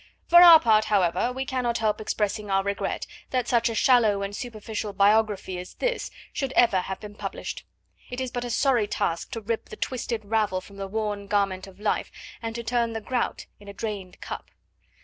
For our part, however, we cannot help expressing our regret that such a shallow and superficial biography as this should ever have been published. It is but a sorry task to rip the twisted ravel from the worn garment of life and to turn the grout in a drained cup.